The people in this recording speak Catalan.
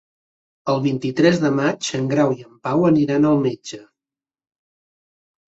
El vint-i-tres de maig en Grau i en Pau aniran al metge.